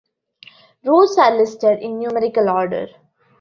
Routes are listed in numerical order.